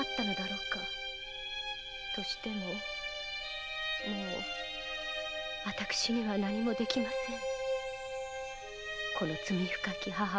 としてももう私には何も出来ませぬ。